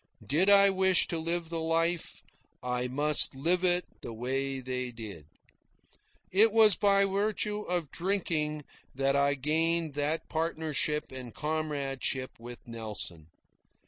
Did I wish to live the life, I must live it the way they did. It was by virtue of drinking that I gained that partnership and comradeship with Nelson.